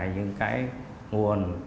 những cái nguồn